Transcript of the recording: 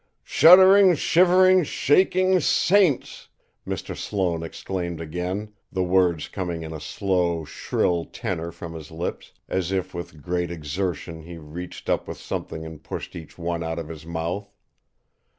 "Shuddering, shivering, shaking saints!" Mr. Sloane exclaimed again, the words coming in a slow, shrill tenor from his lips, as if with great exertion he reached up with something and pushed each one out of his mouth.